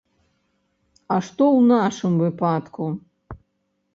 А што ў нашым выпадку?